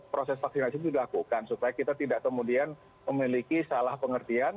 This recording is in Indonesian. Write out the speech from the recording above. proses vaksinasi itu dilakukan supaya kita tidak kemudian memiliki salah pengertian